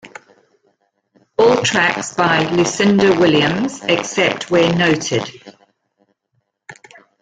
All tracks by Lucinda Williams except where noted.